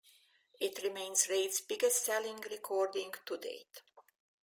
It remains Raitt's biggest-selling recording to date.